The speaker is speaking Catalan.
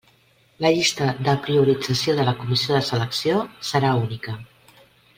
La llista de priorització de la comissió de selecció serà única.